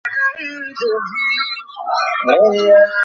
তাতে দোষ কী?